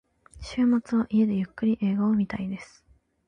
週末は家でゆっくり映画を見たいです。